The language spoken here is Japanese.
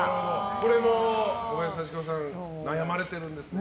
これも小林幸子さん悩まれてるんですね。